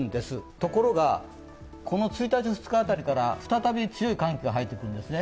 ところが、１日、２日辺りから再び強い寒気が入ってくるんですね。